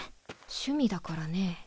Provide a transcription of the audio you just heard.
趣味だからね。